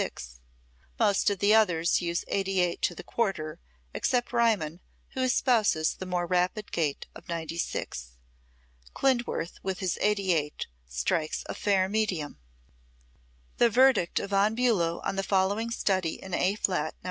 Most of the others use 88 to the quarter, except Riemann, who espouses the more rapid gait of 96. Klindworth, with his 88, strikes a fair medium. The verdict of Von Bulow on the following study in A flat, No.